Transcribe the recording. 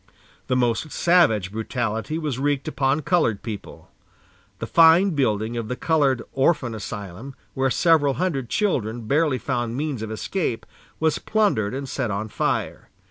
The most savage brutality was wreaked upon colored people. The fine building of the colored Orphan Asylum, where several hundred children barely found means of escape, was plundered and set on fire.